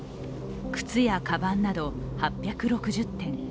靴やかばんなど、８６０点。